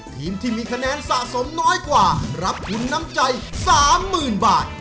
ทีมที่มีคะแนนสะสมน้อยกว่ารับทุนน้ำใจ๓๐๐๐บาท